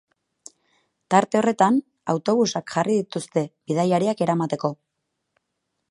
Tarte horretan, autobusak jarri dituzte bidaiariak eramateko.